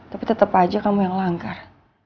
tapi tetep aja kamu yang langgar